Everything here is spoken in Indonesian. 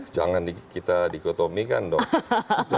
jangan kita dikotomikan dong